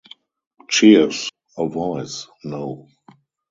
Cheers — a voice, “No.”